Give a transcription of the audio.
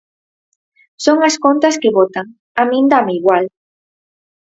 Son as contas que botan, a min dáme igual.